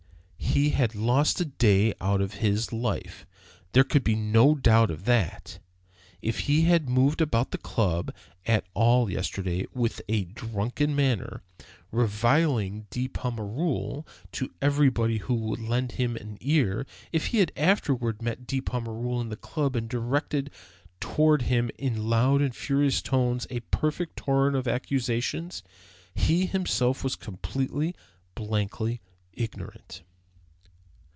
He had lost a day out of his life there could be no doubt of that. If he had moved about the Club at all yesterday with a drunken manner, reviling De Pommereul to everybody who would lend him an ear if he had afterward met De Pommereul in the Club and directed toward him in loud and furious tones a perfect torrent of accusation he himself was completely, blankly ignorant.